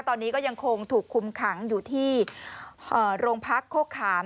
ตอนนี้ก็ยังคงถูกคุมขังอยู่ที่โรงพักโคกขาม